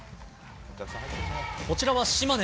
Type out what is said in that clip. こちらは島根。